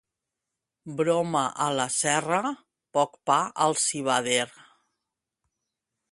Broma a la serra, poc pa al civader.